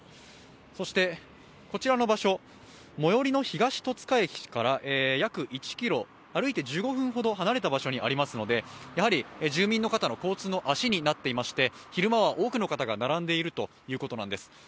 そしてこちらの場所、最寄りの東戸塚駅から約１ｋｍ、歩いて１５分ほど離れた場所にありますのでやはり住民の方の交通の足になっていまして、昼間は多くの方が並んでいるということなんです。